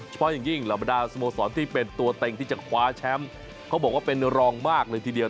อย่างยิ่งเหล่าบรรดาสโมสรที่เป็นตัวเต็งที่จะคว้าแชมป์เขาบอกว่าเป็นรองมากเลยทีเดียว